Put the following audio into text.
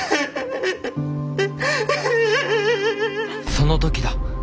その時だ。